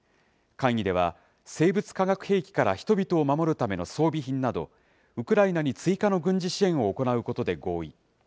会議では、生物・化学兵器から人々を守るための装備品など、ウクライナに追加の軍事支援を行うことで合意。